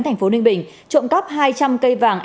thành phố ninh bình trộm cắp hai trăm linh cây vàng